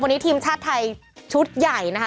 วันนี้ทีมชาติไทยชุดใหญ่นะคะ